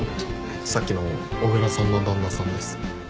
さっきの小椋さんの旦那さんです。